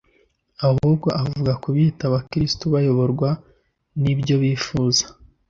ahubwo avuga ku biyita Abakristo bayoborwa n’ibyo bifuza,